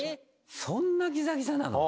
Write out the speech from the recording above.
そんなギザギザなの！